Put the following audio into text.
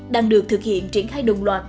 đang được thực hiện triển khai đồng loạt